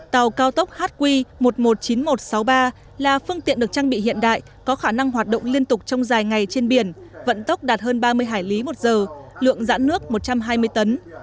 tàu cao tốc hq một trăm một mươi chín nghìn một trăm sáu mươi ba là phương tiện được trang bị hiện đại có khả năng hoạt động liên tục trong dài ngày trên biển vận tốc đạt hơn ba mươi hải lý một giờ lượng dãn nước một trăm hai mươi tấn